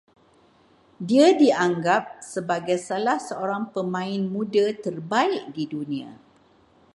Dia dianggap sebagai salah seorang pemain muda terbaik di dunia